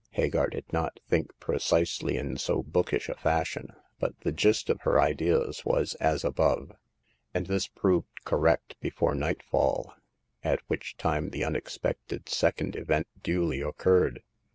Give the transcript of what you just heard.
Hagar did not think precisely in so bookish a fashion, but the gist of her ideas was as above ; and this proved correct before nightfall, at which time the unexpected second event duly occurred.